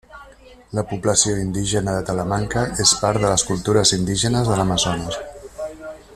La població indígena de Talamanca és part de les cultures indígenes de l'Amazones.